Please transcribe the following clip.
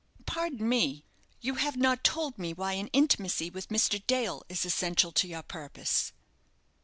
"Pardon me; you have not told me why an intimacy with Mr. Dale is essential to your purpose."